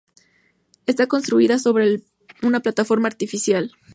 Está construida sobre una plataforma artificial.